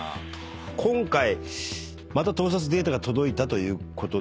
今回また盗撮データが届いたということですね。